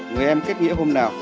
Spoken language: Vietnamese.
người em kết nghĩa hôm nào